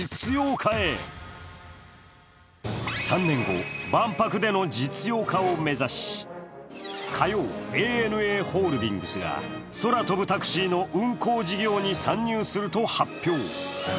３年後、万博での実用化を目指し、火曜、ＡＮＡホールディングスが空飛ぶタクシーの運航事業に参入すると発表。